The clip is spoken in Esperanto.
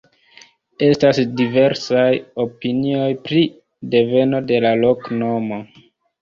Estas diversaj opinioj pri deveno de la loknomo.